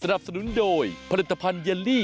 อร่อยต้องลอง